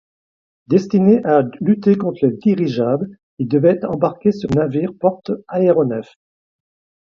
Destiné à lutter contre les dirigeables, il devait être embarqué sur navires porte-aéronefs.